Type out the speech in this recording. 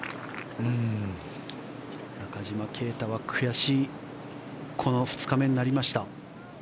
中島啓太は悔しい２日目になりました。